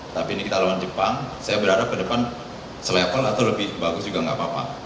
tapi ini kita lawan jepang saya berharap ke depan selevel atau lebih bagus juga nggak apa apa